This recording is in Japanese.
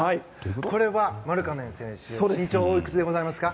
これはマルカネン選手身長はおいくつですか？